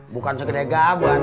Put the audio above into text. bukan segede gaban